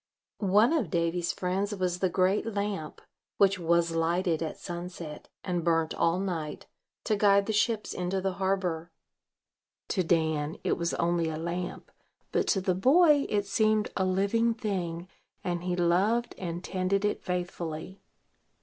One of Davy's friends was the great lamp, which was lighted at sunset, and burnt all night, to guide the ships into the harbor. To Dan it was only a lamp; but to the boy it seemed a living thing, and he loved and tended it faithfully.